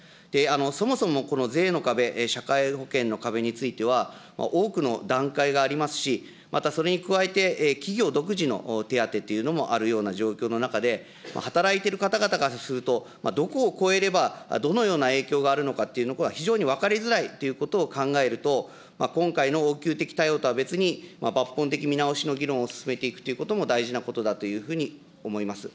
そもそもこの税の壁、社会保険の壁については、多くの段階がありますし、またそれに加えて、企業独自の手当というのもあるような状況の中で、働いている方々からすると、どこを超えれば、どのような影響があるのかっていうのが非常に分かりづらいということを考えると、今回の応急的対応とは別に、抜本的見直しの議論を進めていくということも大事なことだというふうに思います。